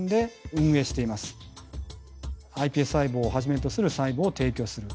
ｉＰＳ細胞をはじめとする細胞を提供する。